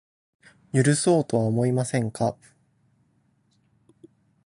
許そうとは思いませんか